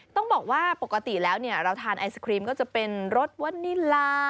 ต้องบอกว่าปกติแล้วเราทานไอศครีมก็จะเป็นรสวานิลา